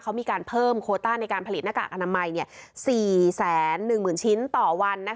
เขามีการเพิ่มโคต้าในการผลิตหน้ากากอนามัย๔๑๐๐๐ชิ้นต่อวัน